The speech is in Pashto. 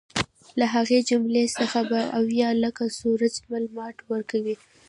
له هغې جملې څخه به اویا لکه سورج مل جاټ ورکوي.